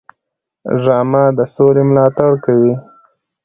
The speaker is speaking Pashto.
ډرامه د سولې ملاتړ کوي